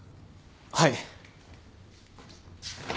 はい。